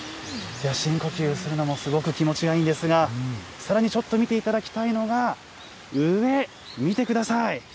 深呼吸するのもすごく気持ちがいいんですが、さらに、ちょっと見ていただきたいのが、上、見てください。